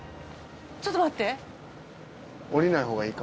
ちょっと待って！